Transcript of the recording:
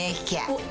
おっ。